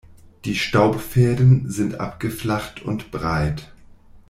Die Staubfäden sind abgeflacht und breit.